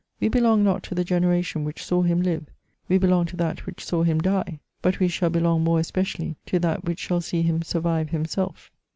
We belong not to the generation which saw him live — we belong to that which saw him die — ^but we shall belong more especially to that which shall see him sunrive himself.